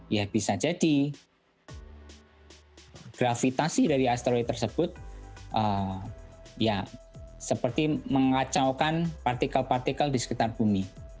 ya bisa jadi gravitasi dari asteroid tersebut ya seperti mengacaukan partikel partikel di sekitar bumi